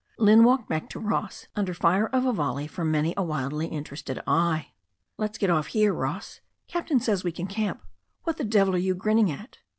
Lynne walked back to Ross under fire of a volley from many a wildly interested eye. "Let's get off here, Ross. Captain says we can camp— what the devil are you grinning at?"